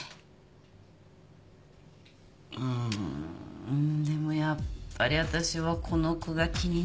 うーんでもやっぱりわたしはこの句が気になるな。